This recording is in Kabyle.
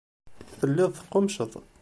Telliḍ teqqummceḍ.